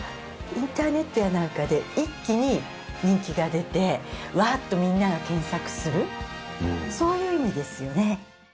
インターネットやなんかで一気に人気が出てわっとみんなが検索するそういう意味ですよね。